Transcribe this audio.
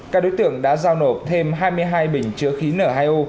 các đối tượng đã giao nộp thêm hai mươi hai bình chữa khí n hai o